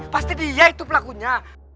pasti dia itu pelakunya